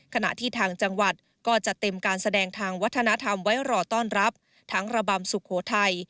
ขณะที่ทางจังหวัดก็จะเต็มการแสดงทางวัฒนธรรมไว้รอต้อนรับทั้งระบำสุโขทัย